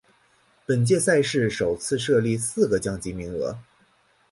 本届赛事首次设立四个降级名额。